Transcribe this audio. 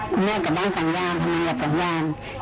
คุณแม่กลับบ้านสั่งยาวพนันกับสั่งยาว